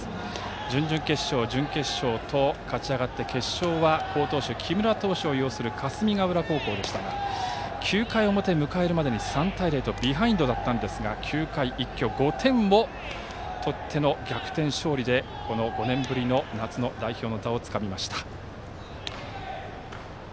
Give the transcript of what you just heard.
準々決勝、準決勝と勝ち上がって決勝は、好投手の木村投手を擁する霞ヶ浦高校でしたが９回表を迎えるまでに３対０とビハインドだったんですが９回、一挙５点を取っての逆転勝利でこの５年ぶりの夏の代表の座をつかみました。